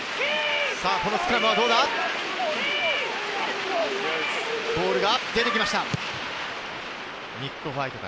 このスクラムはどうか？